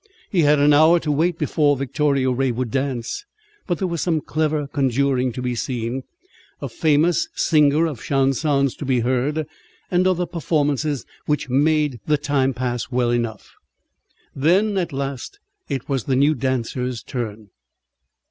He had an hour to wait before Victoria Ray would dance, but there was some clever conjuring to be seen, a famous singer of chansons to be heard, and other performances which made the time pass well enough. Then, at last, it was the new dancer's "turn."